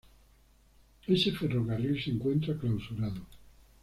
Ese ferrocarril se encuentra clausurado.